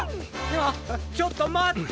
あっちょっとまって！